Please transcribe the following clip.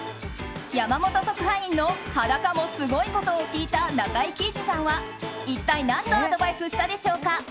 山本特派員の裸もすごいことを聞いた中井貴一さんは一体何とアドバイスしたでしょうか。